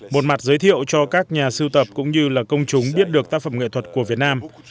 một mặt giới thiệu cho các nhà sưu tập cũng như là công chúng biết được tác phẩm nghệ thuật của việt nam